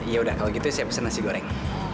ya udah kalau gitu siapkan nasi goreng